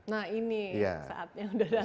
nah ini saatnya udah datang